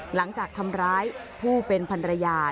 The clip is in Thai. หลังจากทำร้ายผู้เป็นพันรยา